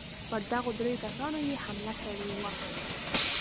پر دغو درېو کسانو یې حمله کړې وه.